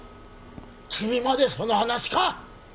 君までその話か！